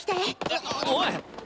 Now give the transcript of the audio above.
えっ？おい！